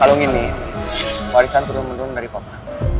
kalung ini warisan terduduk mendun dari papa